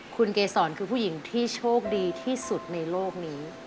คุณเกศรคือผู้หญิงที่โชคดีที่สุดในโลกนี้